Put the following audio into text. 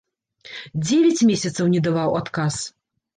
Дзевяць месяцаў не даваў адказ!